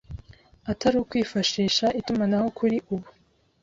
atari ukwifashisha itumanaho kuri ubu